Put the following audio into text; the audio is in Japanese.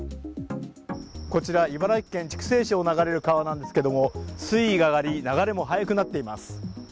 こちら、茨城県筑西市を流れる川なんですけれども、水位が上がり、流れも速くなっています。